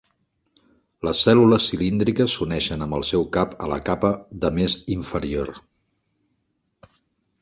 Les cèl·lules cilíndriques s'uneixen amb el seu cap a la capa de més inferior.